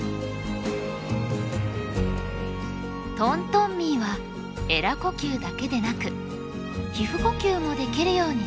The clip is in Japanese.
トントンミーはえら呼吸だけでなく皮膚呼吸もできるように進化。